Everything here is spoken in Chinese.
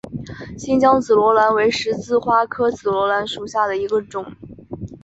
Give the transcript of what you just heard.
新疆紫罗兰为十字花科紫罗兰属下的一个种。